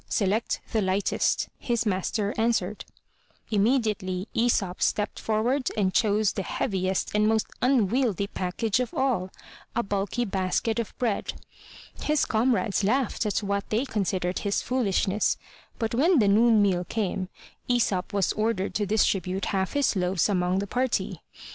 Select the lightest," his master answered. Immediately Aesop stepped forward and chose the heaviest and most unwieldy package of all, a bulky basket of bread. His comrades laughed at what they considered his foolishness, but when the noon meal came Aesop was ordered to distribute half his loaves among the party.